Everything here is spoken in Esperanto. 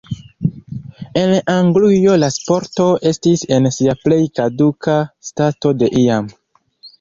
En Anglujo la sporto estis en sia plej kaduka stato de iam.